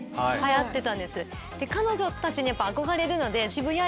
彼女たちに憧れるので。